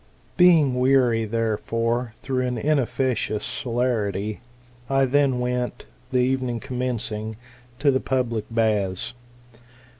" Being weary, therefore, though an inefficacious celerity, I then went, the evening commencing, to the public baths.